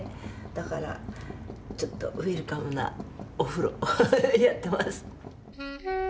だからちょっとウエルカムなお風呂やってます。